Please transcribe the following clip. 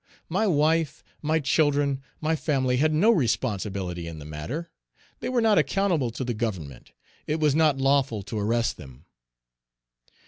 My wife, my children, my family had no responsibility in the matter; they were not accountable to the Government; it was not lawful to arrest them.